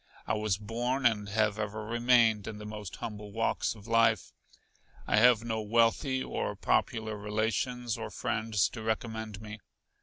I was born, and have ever remained, in the most humble walks of life. I have no wealthy or popular relations or friends to recommend me.